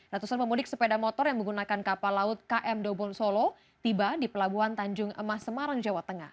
ratusan pemudik sepeda motor yang menggunakan kapal laut km dobon solo tiba di pelabuhan tanjung emas semarang jawa tengah